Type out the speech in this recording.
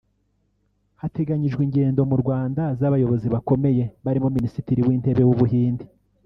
hateganyijwe ingendo mu Rwanda z’abayobozi bakomeye barimo Minisitiri w’Intebe w’u Buhinde